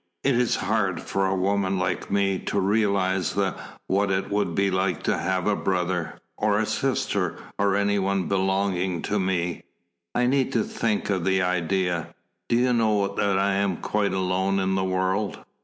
"It is hard for a woman like me to realise what it would be to have a brother or a sister, or any one belonging to me. I needed to think of the idea. Do you know that I am quite alone in the world?"